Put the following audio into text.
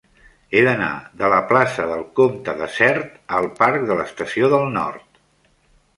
He d'anar de la plaça del Comte de Sert al parc de l'Estació del Nord.